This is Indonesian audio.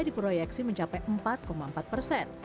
diproyeksi mencapai empat empat persen